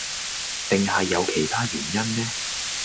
定係有其他原因呢